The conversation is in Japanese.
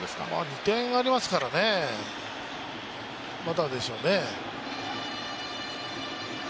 ２点ありますから、まだでしょうね。